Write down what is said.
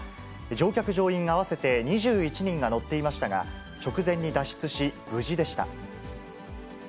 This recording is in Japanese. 乗客・乗員合わせて２１人が乗っていましたが、直前に脱出し、無事でした。